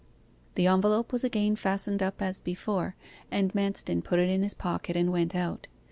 The envelope was again fastened up as before, and Manston put it in his pocket and went out.